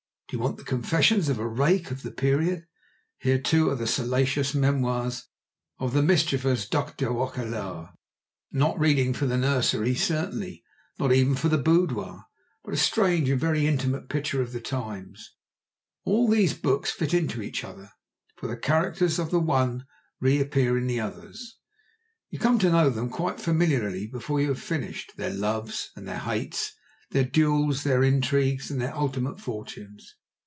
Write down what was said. Do you want the confessions of a rake of the period? Here are the too salacious memoirs of the mischievous Duc de Roquelaure, not reading for the nursery certainly, not even for the boudoir, but a strange and very intimate picture of the times. All these books fit into each other, for the characters of the one reappear in the others. You come to know them quite familiarly before you have finished, their loves and their hates, their duels, their intrigues, and their ultimate fortunes.